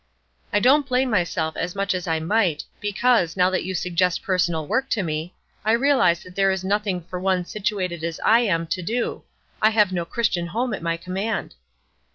I don't blame myself as much as I might, because, now that you suggest personal work to me, I realize that there is nothing for one situated as I am to do. I have no Christian home at my command."